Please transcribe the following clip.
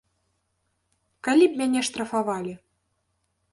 Калі б мяне штрафавалі?